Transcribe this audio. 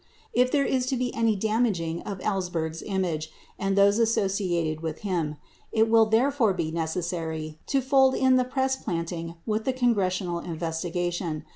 If there is to be any damaging of Ellsberg's image and those associated with him, it will therefore be necessary to fold in the press planting with the Congressional investiga tion.